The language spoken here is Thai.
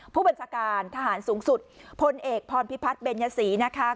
ผู้บัญชาการทหารสูงสุดพลเอกพรพิพัฒน์เบญยศรีนะคะ